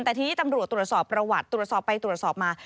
แต่ทีนี้ตำรวจตรวจสอบประวัติตรวจสอบไปตรวจสอบมา